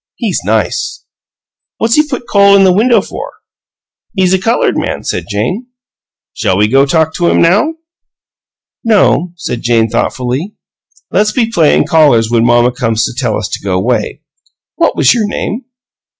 He's nice." "What's he put the coal in the window for?" "He's a colored man," said Jane. "Shall we go talk to him now?" "No," Jane said, thoughtfully. "Let's be playin' callers when mamma comes to tell us to go 'way. What was your name?"